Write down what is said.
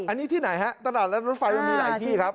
อันนี้ที่ไหนฮะตลาดนัดรถไฟมันมีหลายที่ครับ